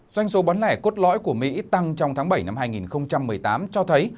doanh số bán lẻ cốt lõi của mỹ tăng trong tháng bảy năm hai nghìn một mươi tám cho thấy